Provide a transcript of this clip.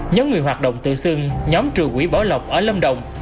những người hoạt động tự xưng nhóm trừ quỷ bỏ lọc ở lâm động